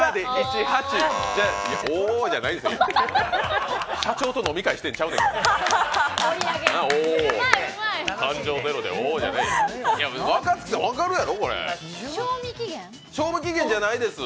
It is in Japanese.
おーじゃないんですよ、社長と飲み会してるのと違うんですよ。